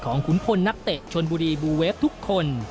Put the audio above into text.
ขุนพลนักเตะชนบุรีบูเวฟทุกคน